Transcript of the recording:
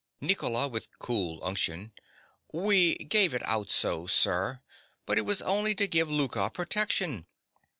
NICOLA. (with cool unction). We gave it out so, sir. But it was only to give Louka protection.